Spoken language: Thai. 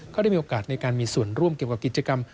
ได้มีโอกาสในการมีส่วนร่วมเกี่ยวกับกิจกรรม